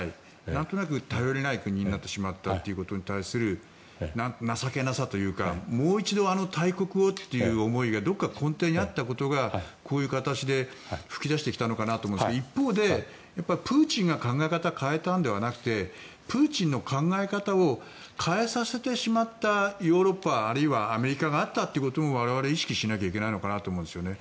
なんとなく頼りない国になってしまったということに対する情けなさというかもう一度あの大国をという思いがどこか根底にあったことがこういう形で噴き出してきたのかなと思うんですが一方で、プーチンが考え方を変えたんではなくてプーチンの考え方を変えさせてしまったヨーロッパあるいはアメリカがあったということも我々は意識しなきゃいけないのかなと思いますね。